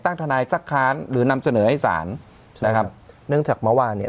ถังทางธนายสักค้านหรือนำเจนอภัยสารนะครับใช่เนื่องจากเมื่อวานเนี่ย